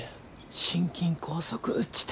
心筋梗塞っちた。